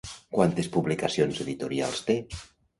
Quantes publicacions editorials té?